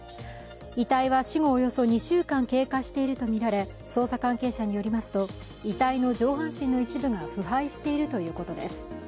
遺体は死後およそ２週間経過しているとみられ捜査関係者によりますと遺体の上半身の一部が腐敗しているということです。